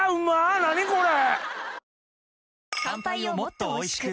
何これ！